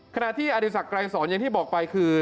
ขณะที่อดีศักดรายสอนอย่างที่บอกไปคือ